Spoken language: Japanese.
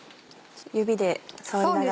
指で触りながら。